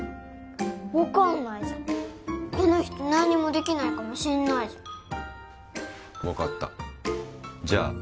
分かんないじゃんこの人何にもできないかもしんないじゃん分かったじゃあ